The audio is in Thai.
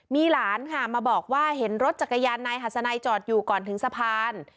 มีหลานค่ะมาบอกว่าเห็นรถจักรยานนายหัสนัยจอดอยู่ก่อนถึงสะพาน